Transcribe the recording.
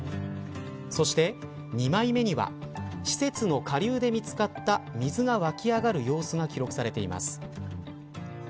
そして２枚目には施設の下流で見つかった水が湧き上がる様子が記録されています。